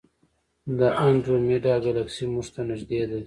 د انډرومیډا ګلکسي موږ ته نږدې ده.